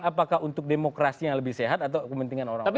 apakah untuk demokrasi yang lebih sehat atau kepentingan orang lain